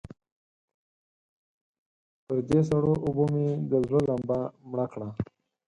پر دې سړو اوبو مې د زړه لمبه مړه کړه.